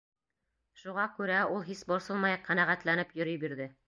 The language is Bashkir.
Шуға күрә ул һис борсолмай, ҡәнәғәтләнеп йөрөй бирҙе.